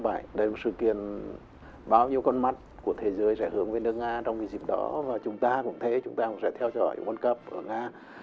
bởi đây là một sự kiện bao nhiêu con mắt của thế giới sẽ hướng về nước nga trong cái dịp đó và chúng ta cũng thế chúng ta cũng sẽ theo dõi những world cup ở nga